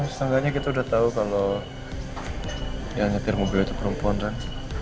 setidaknya kita udah tahu kalau yang nyetir mobil itu perempuan kan